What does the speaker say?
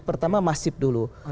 pertama masif dulu